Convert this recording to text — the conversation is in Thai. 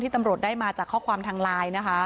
ตำรวจได้มาจากข้อความทางไลน์นะคะ